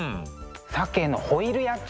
鮭のホイル焼き。